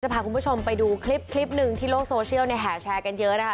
พาคุณผู้ชมไปดูคลิปหนึ่งที่โลกโซเชียลเนี่ยแห่แชร์กันเยอะนะคะ